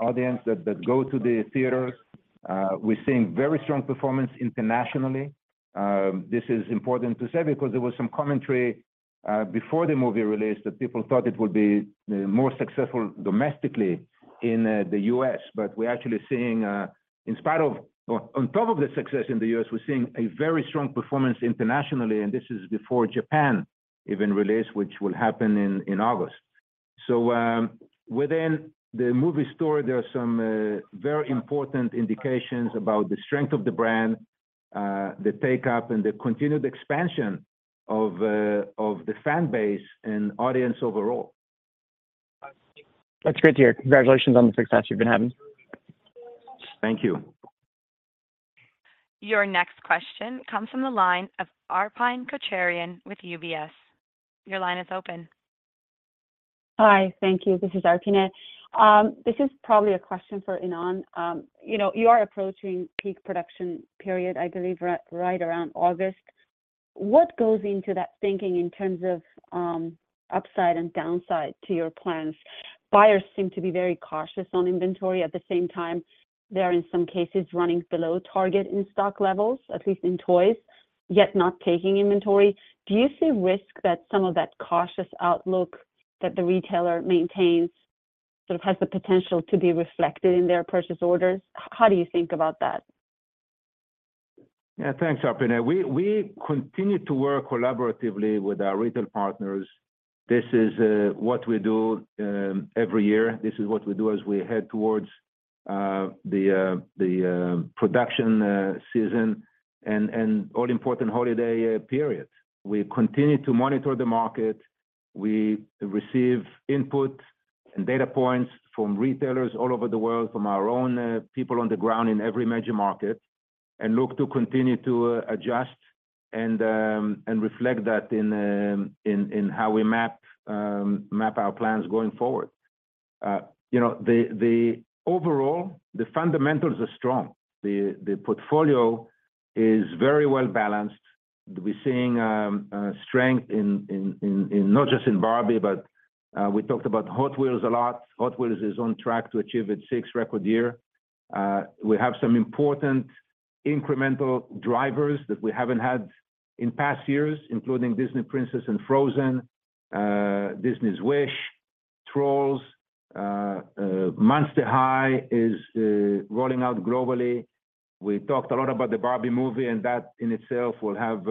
audience that go to the theaters. We're seeing very strong performance internationally. This is important to say because there was some commentary before the movie released that people thought it would be more successful domestically in the U.S. We're actually seeing on top of the success in the U.S., we're seeing a very strong performance internationally, and this is before Japan even release, which will happen in August. Within the movie story, there are some very important indications about the strength of the brand, the take-up and the continued expansion of the fan base and audience overall. That's great to hear. Congratulations on the success you've been having. Thank you. Your next question comes from the line of Arpine Kocharian with UBS. Your line is open. Hi, thank you. This is Arpine. This is probably a question for Ynon. you know, you are approaching peak production period, I believe, right around August. What goes into that thinking in terms of upside and downside to your plans? Buyers seem to be very cautious on inventory. At the same time, they are, in some cases, running below target in stock levels, at least in toys, yet not taking inventory. Do you see risk that some of that cautious outlook that the retailer maintains, sort of has the potential to be reflected in their purchase orders? How do you think about that? Yeah, thanks, Arpine. We continue to work collaboratively with our retail partners. This is what we do every year. This is what we do as we head towards the production season and all important holiday periods. We continue to monitor the market. We receive input and data points from retailers all over the world, from our own people on the ground in every major market, and look to continue to adjust and reflect that in how we map our plans going forward. You know, the overall, the fundamentals are strong. The portfolio is very well balanced. We're seeing strength in not just in Barbie, but we talked about Hot Wheels a lot. Hot Wheels is on track to achieve its sixth record year. We have some important incremental drivers that we haven't had in past years, including Disney Princess and Frozen, Disney's Wish, Trolls, Monster High is rolling out globally. We talked a lot about the Barbie movie, that in itself will have,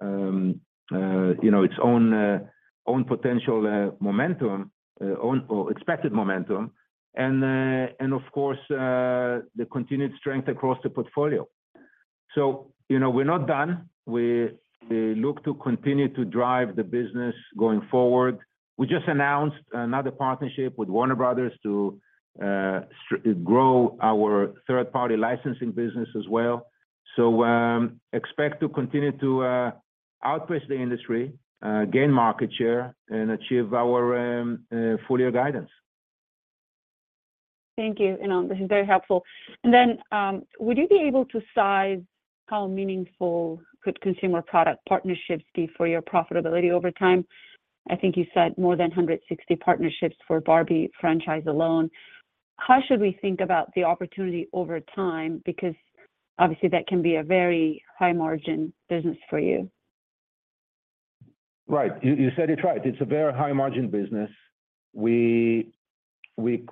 you know, its own potential momentum, or expected momentum, of course, the continued strength across the portfolio. You know, we're not done. We look to continue to drive the business going forward. We just announced another partnership with Warner Bros. to grow our third-party licensing business as well. Expect to continue to outpace the industry, gain market share, and achieve our full year guidance. Thank you, and this is very helpful. Then, would you be able to size how meaningful could consumer product partnerships be for your profitability over time? I think you said more than 160 partnerships for Barbie alone. How should we think about the opportunity over time? Obviously, that can be a very high-margin business for you. Right. You said it right. It's a very high-margin business. We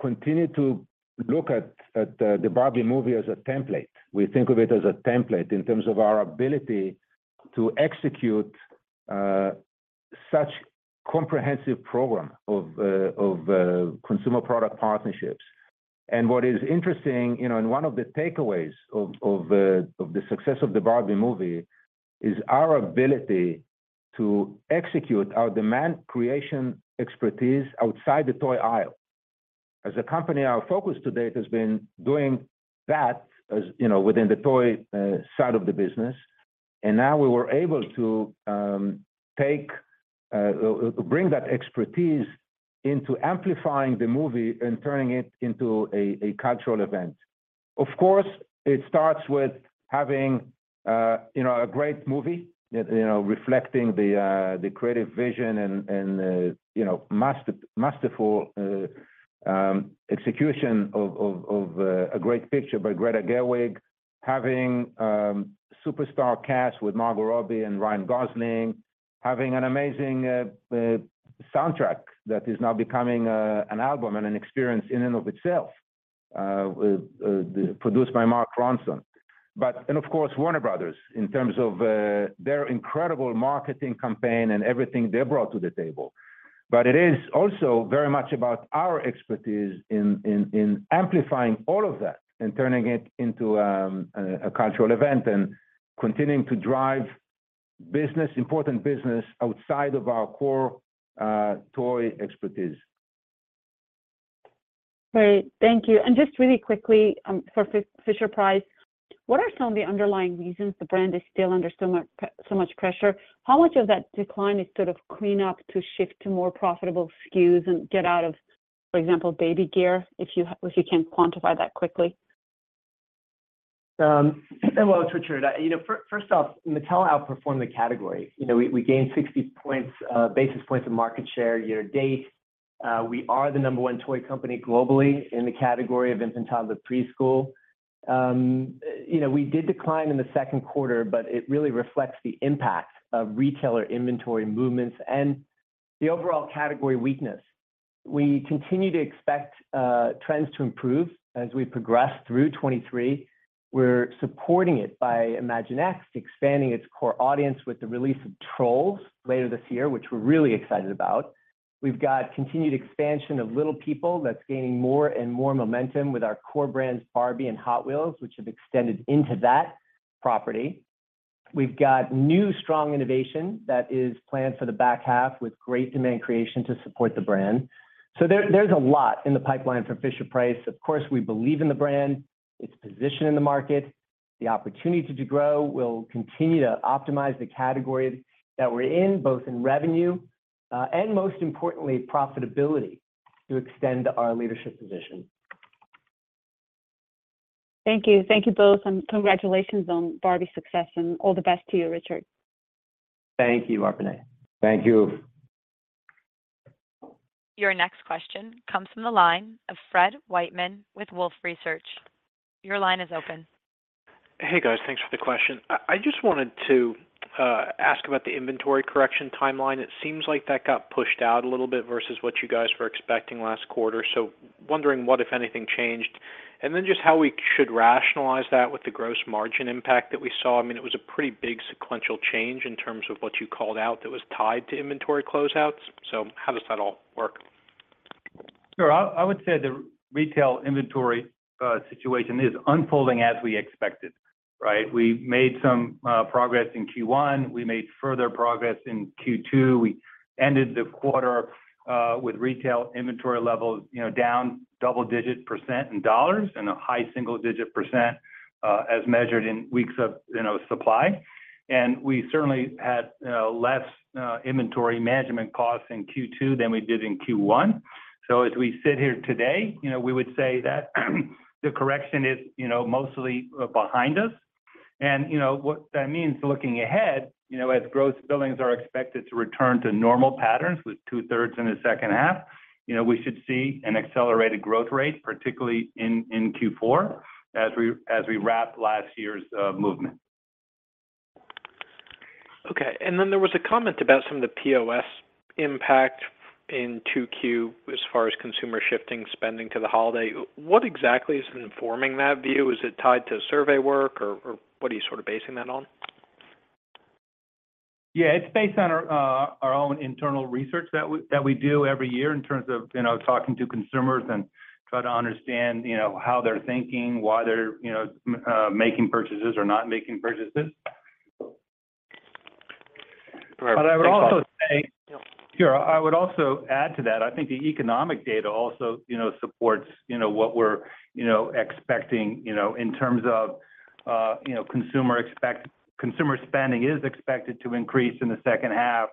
continue to look at the Barbie movie as a template. We think of it as a template in terms of our ability to execute such comprehensive program of consumer product partnerships. What is interesting, you know, and one of the takeaways of the success of the Barbie movie, is our ability to execute our demand creation expertise outside the toy aisle. As a company, our focus to date has been doing that, as, you know, within the toy side of the business, and now we were able to bring that expertise into amplifying the movie and turning it into a cultural event. Of course, it starts with having, you know, a great movie, you know, reflecting the creative vision and, you know, masterful execution of a great picture by Greta Gerwig. Having superstar cast with Margot Robbie and Ryan Gosling, having an amazing soundtrack that is now becoming an album and an experience in and of itself, produced by Mark Ronson. Of course, Warner Bros., in terms of their incredible marketing campaign and everything they brought to the table. It is also very much about our expertise in amplifying all of that, and turning it into a cultural event, and continuing to drive business, important business outside of our core toy expertise. Just really quickly, for Fisher-Price, what are some of the underlying reasons the brand is still under so much pressure? How much of that decline is sort of clean up to shift to more profitable SKUs and get out of, for example, baby gear, if you can quantify that quickly? Well, it's Richard. You know, first off, Mattel outperformed the category. You know, we gained 60 points, basis points of market share year to date. We are the number 1 toy company globally in the category of infant, toddler, preschool. You know, we did decline in the second quarter. It really reflects the impact of retailer inventory movements and the overall category weakness. We continue to expect trends to improve as we progress through 2023. We're supporting it by Imaginext, expanding its core audience with the release of Trolls later this year, which we're really excited about. We've got continued expansion of Little People that's gaining more and more momentum with our core brands, Barbie and Hot Wheels, which have extended into that property. We've got new, strong innovation that is planned for the back half, with great demand creation to support the brand. There's a lot in the pipeline for Fisher-Price. Of course, we believe in the brand, its position in the market, the opportunity to grow. We'll continue to optimize the categories that we're in, both in revenue, and most importantly, profitability, to extend our leadership position. Thank you. Thank you both, and congratulations on Barbie's success, and all the best to you, Richard. Thank you, Arpine. Thank you. Your next question comes from the line of Fred Wightman with Wolfe Research. Your line is open. Hey, guys. Thanks for the question. I just wanted to ask about the inventory correction timeline. It seems like that got pushed out a little bit versus what you guys were expecting last quarter. Wondering what, if anything, changed? Just how we should rationalize that with the gross margin impact that we saw. I mean, it was a pretty big sequential change in terms of what you called out that was tied to inventory closeouts. How does that all work? Sure. I would say the retail inventory situation is unfolding as we expected, right? We made some progress in Q1. We made further progress in Q2. We ended the quarter with retail inventory levels, you know, down double-digit % in dollars and a high single-digit %, as measured in weeks of, you know, supply. We certainly had less inventory management costs in Q2 than we did in Q1. As we sit here today, you know, we would say that the correction is, you know, mostly behind us. What that means looking ahead, you know, as gross billings are expected to return to normal patterns with 2/3 in the second half, you know, we should see an accelerated growth rate, particularly in Q4, as we wrap last year's movement. Okay. Then there was a comment about some of the POS impact in 2Q as far as consumer shifting spending to the holiday. What exactly is informing that view? Is it tied to survey work, or what are you sort of basing that on? It's based on our own internal research that we do every year in terms of, you know, talking to consumers and try to understand, you know, how they're thinking, why they're, you know, making purchases or not making purchases. I would also. Yeah. Sure, I would also add to that. I think the economic data also, you know, supports, you know, what we're, you know, expecting, you know, in terms of, you know, consumer spending is expected to increase in the second half.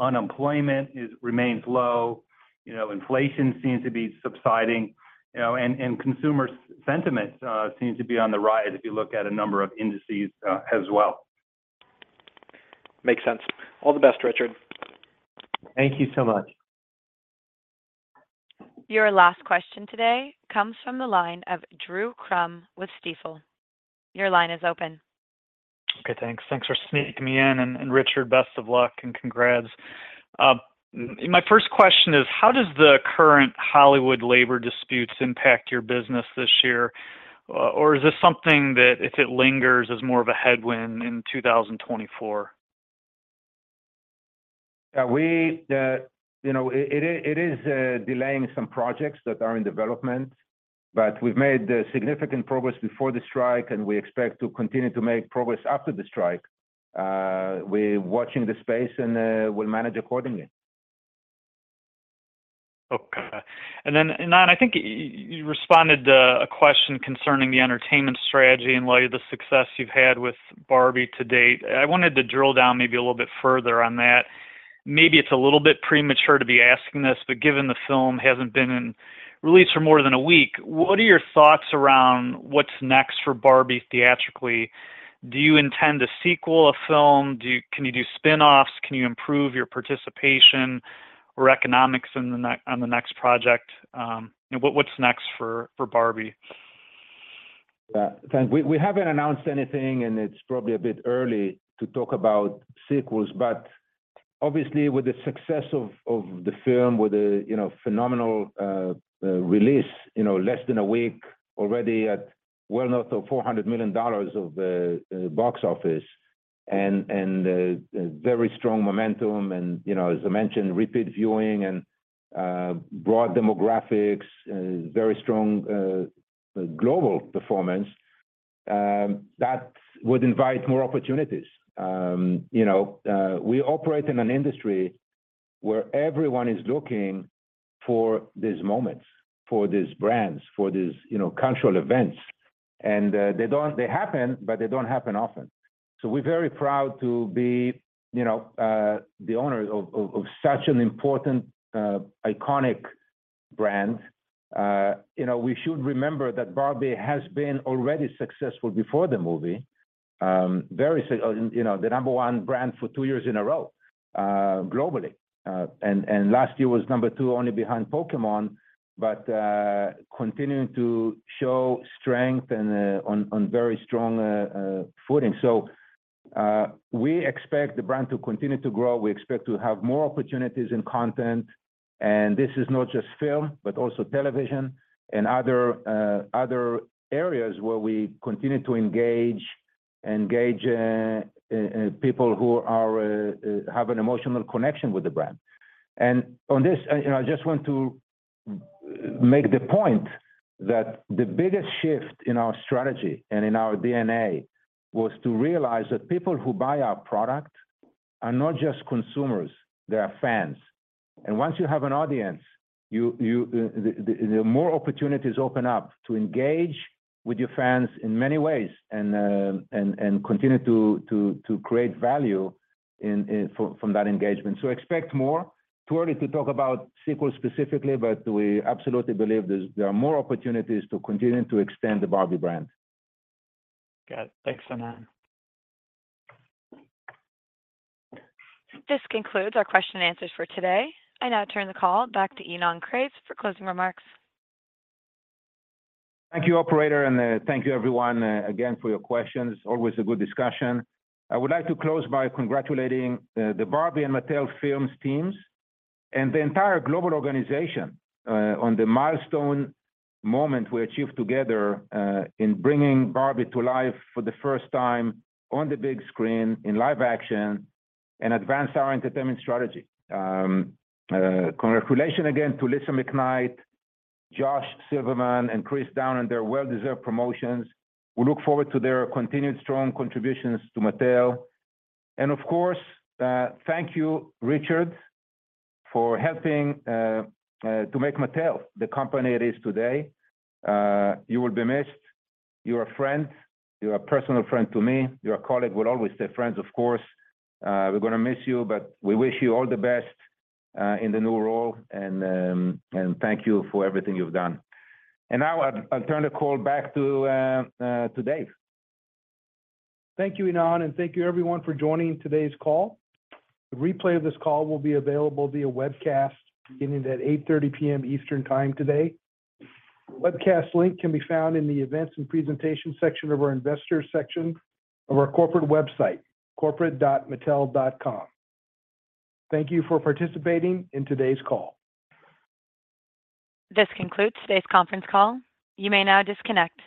Unemployment remains low. You know, inflation seems to be subsiding, you know, and consumer sentiment, seems to be on the rise if you look at a number of indices, as well. Makes sense. All the best, Richard. Thank you so much. Your last question today comes from the line of Drew Crum with Stifel. Your line is open. Okay, thanks. Thanks for sneaking me in, and Richard, best of luck and congrats. My first question is, how does the current Hollywood labor disputes impact your business this year? Is this something that if it lingers, is more of a headwind in 2024? We, you know, it is delaying some projects that are in development, but we've made significant progress before the strike, and we expect to continue to make progress after the strike. We're watching the space and, we'll manage accordingly. Okay. Ynon, I think you responded to a question concerning the entertainment strategy and the success you've had with Barbie to date. I wanted to drill down maybe a little bit further on that. Maybe it's a little bit premature to be asking this, but given the film hasn't been in release for more than a week, what are your thoughts around what's next for Barbie theatrically? Do you intend to sequel a film? Can you do spin-offs? Can you improve your participation or economics on the next project? You know, what's next for Barbie? We haven't announced anything, it's probably a bit early to talk about sequels, but obviously, with the success of the film, with the, you know, phenomenal release, you know, less than a week, already at well north of $400 million of the box office and a very strong momentum, and, you know, as I mentioned, repeat viewing and broad demographics, very strong global performance, that would invite more opportunities. You know, we operate in an industry where everyone is looking for these moments, for these brands, for these, you know, cultural events. They happen, but they don't happen often. We're very proud to be, you know, the owner of such an important iconic brand. You know, we should remember that Barbie has been already successful before the movie, you know, the number one brand for two years in a row, globally. Last year was number two, only behind Pokémon, continuing to show strength on very strong footing. We expect the brand to continue to grow. We expect to have more opportunities in content, this is not just film, but also television and other areas where we continue to engage people who are have an emotional connection with the brand. I just want to make the point, that the biggest shift in our strategy and in our DNA was to realize that people who buy our product are not just consumers, they are fans. Once you have an audience, you the more opportunities open up to engage with your fans in many ways and continue to create value from that engagement. Expect more. Too early to talk about sequels specifically, we absolutely believe there are more opportunities to continue to extend the Barbie brand. Got it. Thanks so much. This concludes our question and answers for today. I now turn the call back to Ynon Kreiz for closing remarks. Thank you, operator, thank you everyone, again, for your questions. Always a good discussion. I would like to close by congratulating the Barbie and Mattel Films teams and the entire global organization on the milestone moment we achieved together in bringing Barbie to life for the first time on the big screen, in live action, and advance our entertainment strategy. Congratulations again to Lisa McKnight, Josh Silverman, and Chris Down on their well-deserved promotions. We look forward to their continued strong contributions to Mattel. Of course, thank you, Richard, for helping to make Mattel the company it is today. You will be missed. You're a friend. You're a personal friend to me. You're a colleague, we'll always stay friends, of course. We're gonna miss you. We wish you all the best in the new role, and thank you for everything you've done. Now I'll turn the call back to Dave. Thank you, Ynon, and thank you everyone for joining today's call. A replay of this call will be available via webcast beginning at 8:30 P.M. Eastern Time today. Webcast link can be found in the Events and Presentation section of our Investors section of our corporate website, investors.mattel.com. Thank you for participating in today's call. This concludes today's conference call. You may now disconnect.